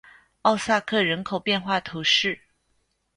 奥萨克人口变化图示